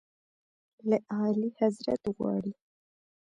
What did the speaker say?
له اعلیحضرت غواړي.